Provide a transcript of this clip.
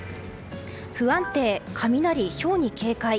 不安定、雷、ひょうに警戒。